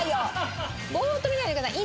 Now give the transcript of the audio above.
ボーッと見ないでください。